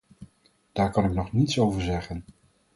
Daar kan ik nog niets over zeggen.